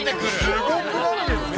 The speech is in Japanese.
すごくないですか？